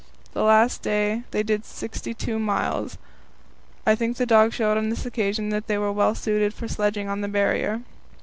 The last day they did sixty two miles. I think the dogs showed on this occasion that they were well suited for sledging on the Barrier.